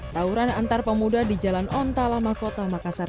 tawuran antar pemuda di jalan onta lama kota makassar